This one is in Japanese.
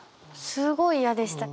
すごい嫌でした。